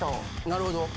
なるほど。